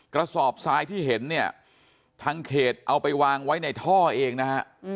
กระสอบทรายที่เห็นเนี่ยทางเขตเอาไปวางไว้ในท่อเองนะฮะ